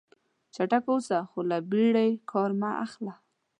چټک اوسه خو له بیړې کار مه اخله.